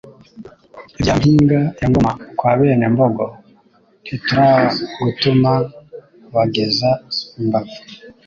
irya mpinga ya Ngoma kwa bene Mbogo ntituragatuma bageza imbavu